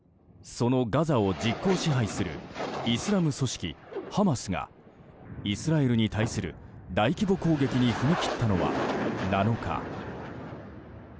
そのガザを実効支配するイスラム組織ハマスがイスラエルに対する大規模攻撃に踏み切ったのは７日。